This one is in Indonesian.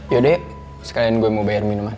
yaudah sekalian gue mau bayar minuman